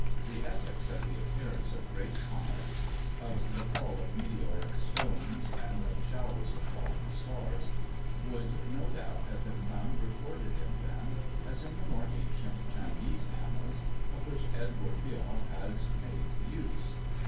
The epochs of the appearance of great comets, of the fall of meteoric stones, and of showers of falling stars, would no doubt have been found recorded in them, as in the more ancient Chinese annals, of which Edward Biot has made use.